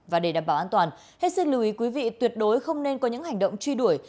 và để đảm bảo an toàn hết sức lưu ý quý vị tuyệt đối không nên có những hành động truy đuổi